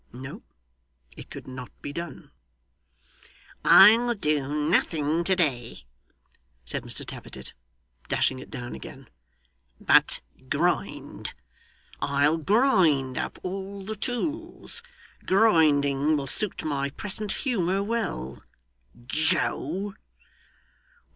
No. It could not be done. 'I'll do nothing to day,' said Mr Tappertit, dashing it down again, 'but grind. I'll grind up all the tools. Grinding will suit my present humour well. Joe!